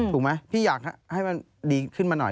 ถูกไหมพี่อยากให้มันดีขึ้นมาหน่อย